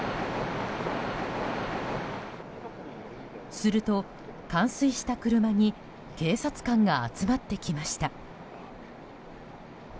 すると、冠水した車に警察官が集まってきました。